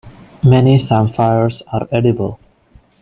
Many samphires are edible.